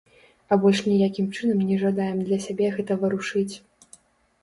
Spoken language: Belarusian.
А больш ніякім чынам не жадаем для сябе гэта варушыць.